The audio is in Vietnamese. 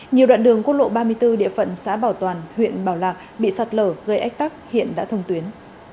nhiều đoạn đường quốc lộ ba mươi bốn địa phận xã bảo toàn huyện bảo lạc bị sạt lở gây ách tắc hiện đã thông tuyến